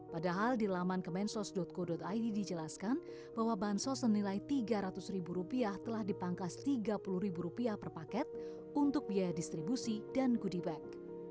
padahal di laman kemensos co id dijelaskan bahwa bansos senilai rp tiga ratus telah dipangkas rp tiga puluh per paket untuk biaya distribusi dan goodie bag